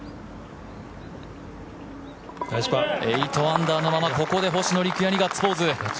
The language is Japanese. ８アンダーのまま、ここで星野陸也にガッツポーズ。